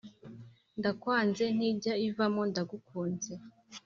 Ndakwanze ntijya ivamo ndagukunze.